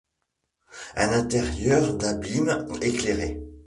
Un intérieur d’abîme éclairé